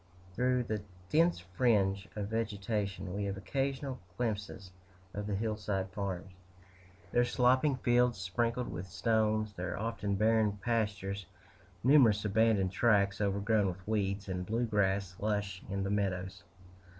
Through the dense fringe of vegetation, we have occasional glimpses of the hillside farms their sloping fields sprinkled with stones, their often barren pastures, numerous abandoned tracts overgrown with weeds, and blue grass lush in the meadows.